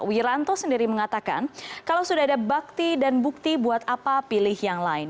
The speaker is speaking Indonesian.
wiranto sendiri mengatakan kalau sudah ada bakti dan bukti buat apa pilih yang lain